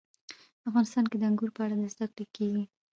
افغانستان کې د انګور په اړه زده کړه کېږي.